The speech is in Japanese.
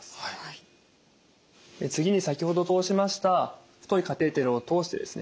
次に先ほど通しました太いカテーテルを通してですね